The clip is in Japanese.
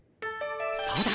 そうだ！